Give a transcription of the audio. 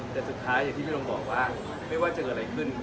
แต่สุดท้ายอย่างที่พี่ลงบอกว่าไม่ว่าเจออะไรขึ้น